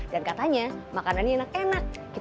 dan katanya makanan ini enak enak